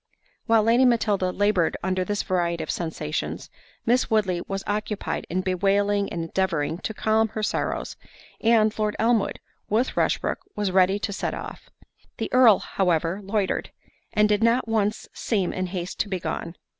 While Lady Matilda laboured under this variety of sensations, Miss Woodley was occupied in bewailing and endeavouring to calm her sorrows—and Lord Elmwood, with Rushbrook, was ready to set off. The Earl, however, loitered, and did not once seem in haste to be gone.